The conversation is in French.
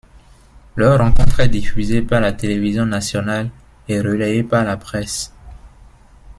Leur rencontre est diffusée par la télévision nationale et relayée par la presse.